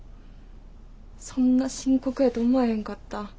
そんな深刻やとは思わへんかった。